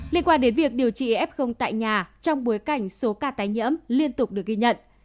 liên quan đến việc điều trị f tại nhà trong bối cảnh số ca tái nhiễm liên tục được ghi nhận